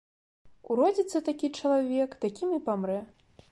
Уродзіцца такі чалавек, такім і памрэ.